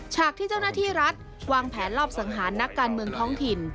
ฉากที่เจ้าหน้าที่รัฐวางแผนลอบสังหารนักการเมืองท้องถิ่น